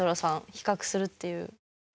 比較するっていう。